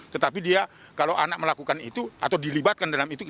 tetapi dia kalau anak melakukan itu atau dilibatkan dalam itu